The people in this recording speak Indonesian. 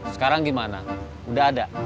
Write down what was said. sekarang gimana udah ada